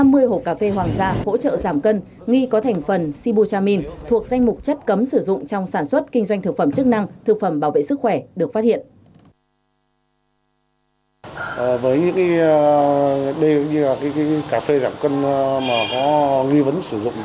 mùa một nghìn chín trăm năm mươi hộp cà phê hoàng gia hỗ trợ giảm cân nghi có thành phần sibutramine thuộc danh mục chất cấm sử dụng trong sản xuất kinh doanh thực phẩm chức năng thực phẩm bảo vệ sức khỏe được phát hiện